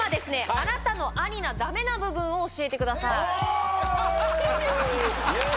あなたの兄のダメな部分を教えてくださいおおー！